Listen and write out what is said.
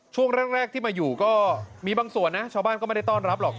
ช่วงแรกที่มาอยู่ก็มีบางส่วนนะชาวบ้านก็ไม่ได้ต้อนรับหรอก